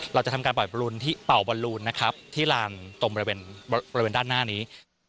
เราจะทำการปล่อยเป่าบอลลูนนะครับที่ลานตรงบริเวณด้านหน้านี้